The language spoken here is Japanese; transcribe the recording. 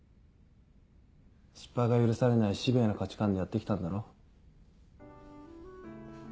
失敗が許されないシビアな価値観でやって来たんだろ。